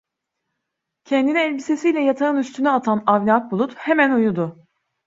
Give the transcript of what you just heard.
Kendini elbisesiyle yatağın üstüne atan Avni Akbulut hemen uyudu.